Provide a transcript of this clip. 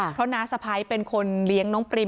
เพราะน้าสะพ้ายเป็นคนเลี้ยงน้องปริม